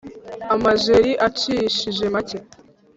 Amajeri acishije make